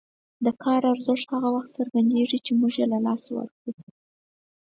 د کار ارزښت هغه وخت څرګندېږي چې موږ یې له لاسه ورکړو.